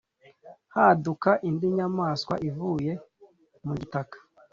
Haduka indi nyamaswa ivuye mu gitaka